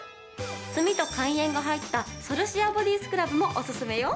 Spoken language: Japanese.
炭と海塩が入ったソルシアボディスクラブもおすすめよ。